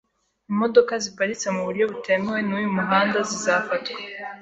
Imodoka ziparitse mu buryo butemewe n’uyu muhanda zizafatwa.